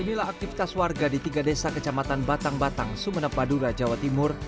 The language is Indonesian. inilah aktivitas warga di tiga desa kecamatan batang batang sumeneb madura jawa timur